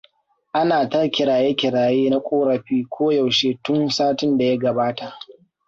Ana ta kiraye-kiraye na korafi koyaushe tun satin da ya gabata.